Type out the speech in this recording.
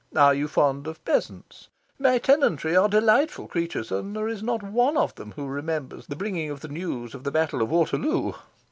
Are you fond of peasants? My tenantry are delightful creatures, and there is not one of them who remembers the bringing of the news of the Battle of Waterloo.